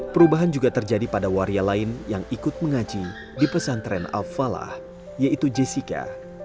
perubahan juga terjadi pada waria lain yang ikut mengaji di pesantren al falah yaitu jessica